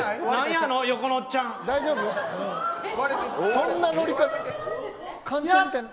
そんな乗り方。